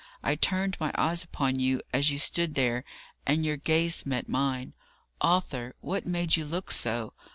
I turned my eyes upon you as you stood there, and your gaze met mine. Arthur, what made you look so?